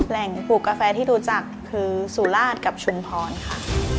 ปลูกกาแฟที่รู้จักคือสุราชกับชุมพรค่ะ